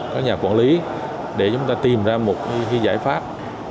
các nhà quản lý để chúng ta tìm ra một giải pháp